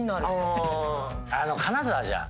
金沢じゃん。